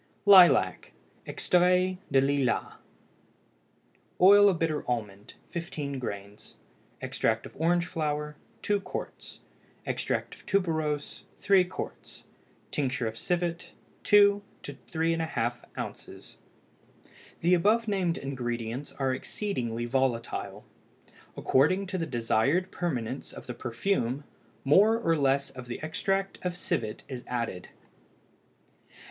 LILAC (EXTRAIT DE LILAS). Oil of bitter almond 15 grains. Extract of orange flower 2 qts. Extract of tuberose 3 qts. Tincture of civet 2 to 3½ oz. The above named ingredients are exceedingly volatile; according to the desired permanence of the perfume, more or less of the extract of civet is added.